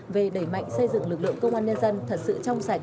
về đẩy mạnh xây dựng lực lượng công an nhân dân thật sự trong sạch